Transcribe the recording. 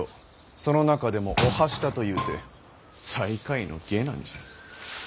その中でも御半下というて最下位の下男じゃ。